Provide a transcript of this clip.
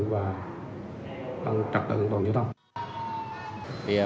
và trật tự tổn giao thông